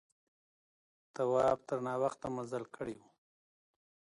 تواب تر ناوخته مزل کړی و.